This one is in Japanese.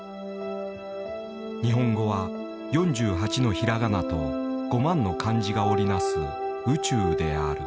日本語は４８のひらがなと５万の漢字が織り成す宇宙である。